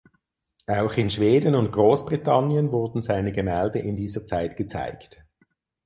Auch in Schweden und Großbritannien wurden seine Gemälde in dieser Zeit gezeigt.